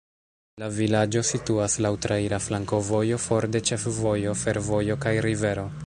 La vilaĝo situas laŭ traira flankovojo for de ĉefvojo, fervojo kaj rivero.